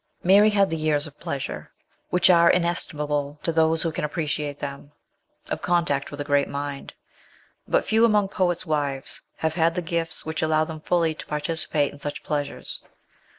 Mary had the years of pleasure, which are inestimable to those who can appreciate them, of contact with a great mind ; but few among poets' wives have had the gifts which allow them fully to participate in such pleasures.